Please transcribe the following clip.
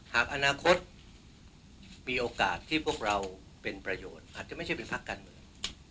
หากอนาคตมีโอกาสที่พวกเราเป็นประโยชน์อาจจะไม่ใช่เป็นพักการเมือง